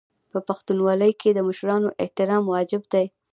په پښتونولۍ کې د مشرانو احترام واجب دی.